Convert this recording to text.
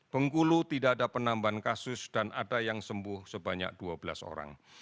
bengkulu tidak ada penambahan kasus dan ada yang sembuh sebanyak dua belas orang